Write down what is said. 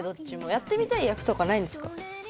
やってみたい役とかないんですか？